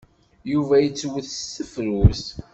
Yuba yettwet s tefrut.